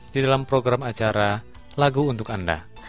di dalam program acara lagu untuk anda